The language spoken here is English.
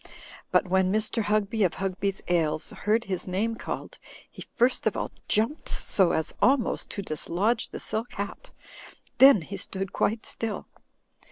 But when Mr. Hugby, of Hugby's Ales, heard his name called, he first of all jumped so as almost to dislodge the silk hat, then he stood quite still.